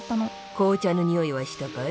紅茶の匂いはしたかい？